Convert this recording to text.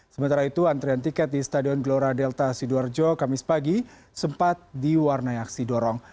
sementara itu antrian tiket di stadion gelora delta sidoarjo kamis pagi sempat diwarnai aksi dorong